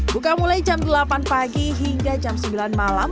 buka mulai jam delapan pagi hingga jam sembilan malam